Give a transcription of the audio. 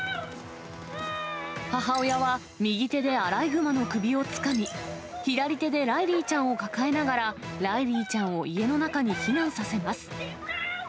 母親は右手でアライグマの首をつかみ、左手でライリーちゃんを抱えながら、ライリーちゃんを家の中に避難させます。